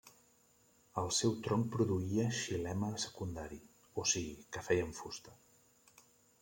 El seu tronc produïa xilema secundari, o sigui que feien fusta.